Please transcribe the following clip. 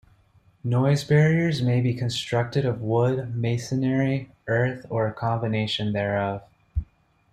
Noise barriers may be constructed of wood, masonry, earth or a combination thereof.